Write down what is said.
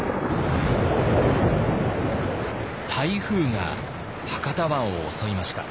台風が博多湾を襲いました。